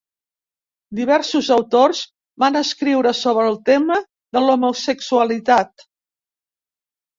Diversos autors van escriure sobre el tema de l'homosexualitat.